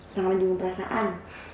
sangat menyembuh perasaan